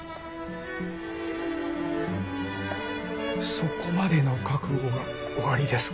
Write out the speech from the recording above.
そこまでの覚悟がおありですか。